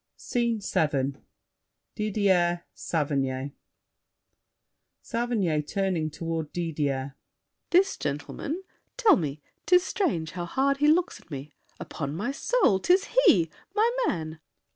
SCENE VII Didier, Saverny SAVERNY (turning toward Didier). This gentleman? Tell me— 'Tis strange how hard he looks at me! Upon my soul, 'tis he! My man!